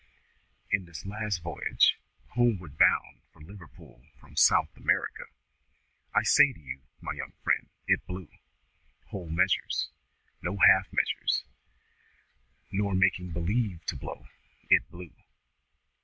In this last voyage, homeward bound for Liverpool from South America, I say to you, my young friend, it blew. Whole measures! No half measures, nor making believe to blow; it blew!